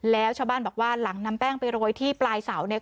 แล้วชาวบ้านบอกว่าหลังนำแป้งไปโรยที่ปลายเสาเนี่ย